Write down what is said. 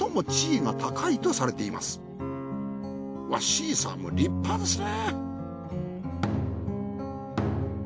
シーサーも立派ですね。